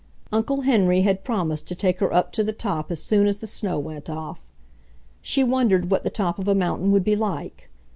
Uncle Henry had promised to take her up to the top as soon as the snow went off. She wondered what the top of a mountain would be like.